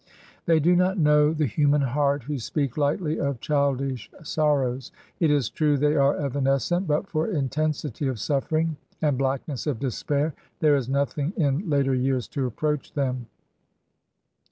They do not know the human heart who speak lightly of childish sorrows. It is true they are evanescent, but for intensity of suffering and blackness of despair there is nothing in later years to approach them.